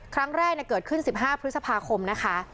ครั้งแรกเกิดขึ้น๑๕พฤษภาคมนะคะ